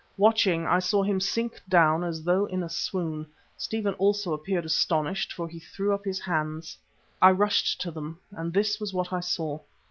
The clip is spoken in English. Watching, I saw him sink down as though in a swoon. Stephen also appeared astonished, for he threw up his hands. I rushed to them, and this was what I saw.